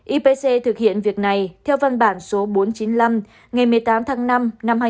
ipc thực hiện việc này theo văn bản số bốn trăm chín mươi năm ngày một mươi tám tháng năm năm hai nghìn một mươi chín